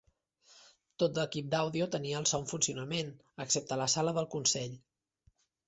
Tot l'equip d'àudio tenia el so en funcionament, excepte a la sala del consell.